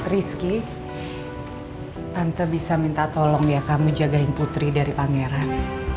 rizky ante bisa minta tolong ya kamu jagain putri dari pangeran